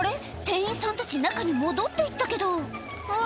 店員さんたち中に戻って行ったけどうわ！